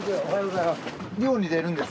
おはようございます。